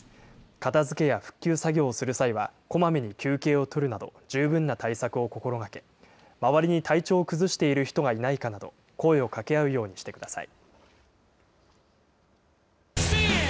片づけや復旧作業をする際は、こまめに休憩をとるなど十分な対策を心がけ、周りに体調を崩している人がいないかなど、声をかけ合うようにしてください。